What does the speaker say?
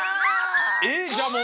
えっじゃあもう。